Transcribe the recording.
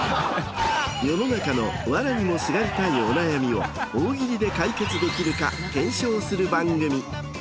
世の中のわらにもすがりたいお悩みを大喜利で解決できるか検証する番組。